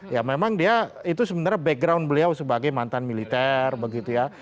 ya memang dia itu sebenarnya background beliau sebagai mantan militer begitu ya